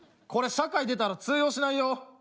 これ社会出たら通用しないよ。